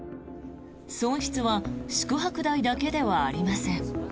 損失は宿泊代だけではありません。